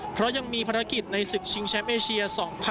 เพราะยังมีภารกิจในศึกชิงแชมป์เอเชีย๒๐๑๖